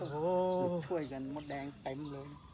ช่วยกันหมดแดงเต็มเลย